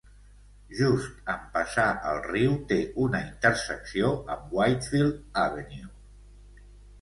Just en passar el riu, té una intersecció amb Whitefield Avenue.